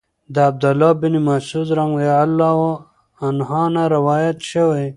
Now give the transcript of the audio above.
د عبد الله بن مسعود رضی الله عنه نه روايت شوی